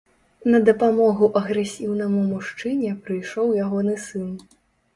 На дапамогу агрэсіўнаму мужчыне прыйшоў ягоны сын.